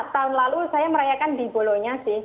tahun lalu saya merayakan di bolonya sih